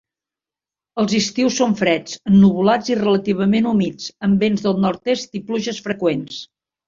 Els estius són freds, ennuvolats i relativament humits, amb vents del nord-est i pluges freqüents.